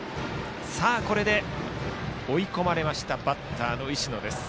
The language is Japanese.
これで追い込まれましたバッターの石野。